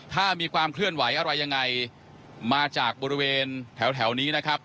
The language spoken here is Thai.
ถ้ามีความเคลื่อนไหวอะไรยังไงมาจากบริเวณแถวนี้นะครับ